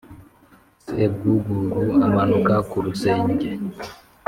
sebwugugu amanuka ku rusenge ,